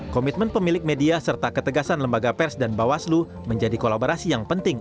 komitmen pemilik media serta ketegasan lembaga pers dan bawaslu menjadi kolaborasi yang penting